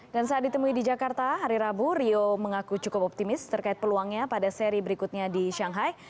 dan saat ditemui di jakarta hari rabu rio mengaku cukup optimis terkait peluangnya pada seri berikutnya di shanghai